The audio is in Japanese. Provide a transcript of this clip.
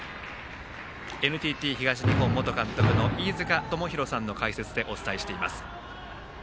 ＮＴＴ東日本元監督の飯塚智広さんの解説でお伝えしています。